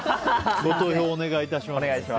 ご投票をお願いします。